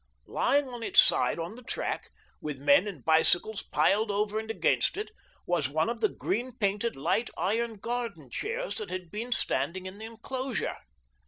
Lying on its side on the track, with men and bicycles piled over and against it, was one of the green painted light iron garden chairs that had been standing in the enclosure.